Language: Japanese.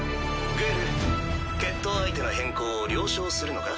グエル決闘相手の変更を了承するのか？